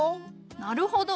なるほど。